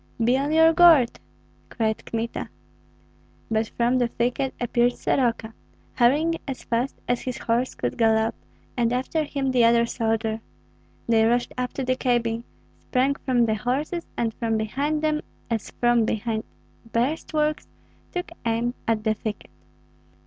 "Be on your guard!" cried Kmita. But from out the thicket appeared Soroka, hurrying as fast as his horse could gallop, and after him the other soldier. They rushed up to the cabin, sprang from the horses, and from behind them, as from behind breastworks, took aim at the thicket.